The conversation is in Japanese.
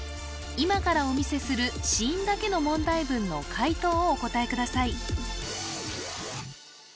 今からお見せする子音だけの問題文の解答をお答えください